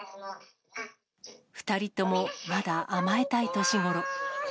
２人ともまだ甘えたい年ごろ。